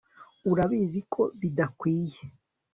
Urabizi ko bidakwiye